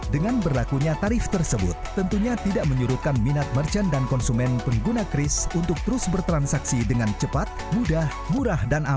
dengan berlakunya tarif tersebut tentunya tidak menyurutkan minat merchant dan konsumen pengguna kris untuk terus bertransaksi dengan cepat mudah murah dan aman